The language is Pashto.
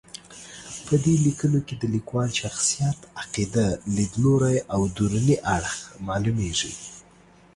په دې لیکنو کې د لیکوال شخصیت، عقیده، لید لوری او دروني اړخ معلومېږي.